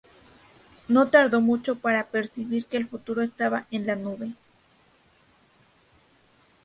No tardó mucho para percibir que el futuro estaba en la nube.